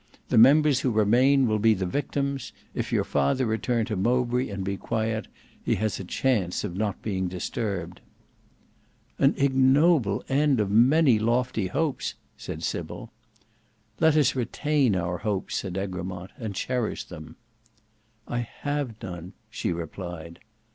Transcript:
The members who remain will be the victims. If your father return to Mowbray and be quiet, he has a chance of not being disturbed." "An ignoble end of many lofty hopes," said Sybil. "Let us retain our hopes," said Egremont, "and cherish them." "I have none," she replied.